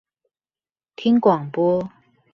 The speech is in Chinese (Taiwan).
聽廣播